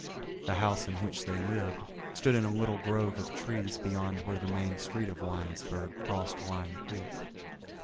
The house in which they lived stood in a little grove of trees beyond where the main street of Winesburg crossed Wine Creek.